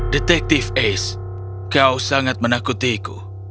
detective ace kau sangat menakutiku